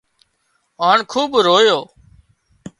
هانَ خوٻ رويو